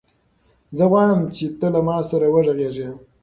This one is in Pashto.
زه غواړم چې ته له ما سره وغږېږې.